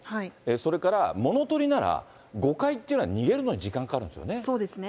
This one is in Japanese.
それから物取りなら、５階っていうのは逃げるのに時間かかるんですよね。